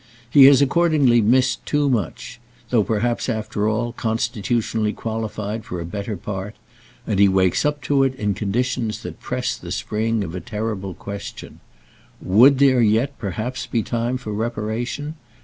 He has accordingly missed too much, though perhaps after all constitutionally qualified for a better part, and he wakes up to it in conditions that press the spring of a terrible question. Would there yet perhaps be time for reparation?